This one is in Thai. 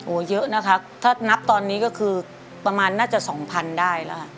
โอ้โหเยอะนะคะถ้านับตอนนี้ก็คือประมาณน่าจะสองพันได้แล้วค่ะ